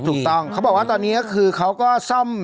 ถูกต้องเขาบอกว่าตอนนี้ก็คือเขาก็ซ่อม